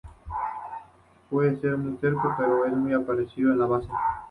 Puede ser muy terco, pero es muy apreciado en la base.